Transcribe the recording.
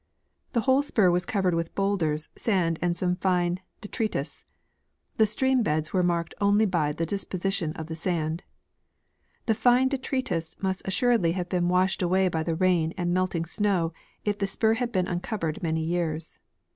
The whole spur was covered with bowlders, sand, and some fine detritus. The stream JDcds were marked only by the disposition of the sand. The fine detritus must assuredly have been washed away by the rain and melting snow if the spur had been uncovered many years.